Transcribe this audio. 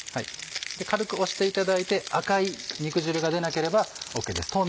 軽く押していただいて赤い肉汁が出なければＯＫです。